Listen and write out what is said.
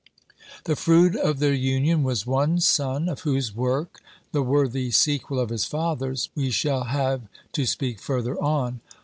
The fruit of their union was one son, of whose work the worthy sequel of his father's we shall have to speak further on.